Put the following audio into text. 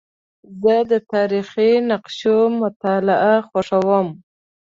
زه د تاریخي نقشو مطالعه خوښوم.